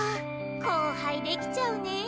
後輩できちゃうねぇ。